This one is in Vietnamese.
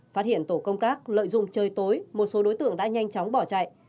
phát hiện tổ công tác lợi dụng trời tối một số đối tượng đã nhanh chóng bỏ chạy